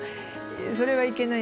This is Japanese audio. それはいけない。